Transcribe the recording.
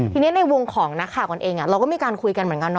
ทีนี้ในวงของนักข่าวกันเองเราก็มีการคุยกันเหมือนกันนะ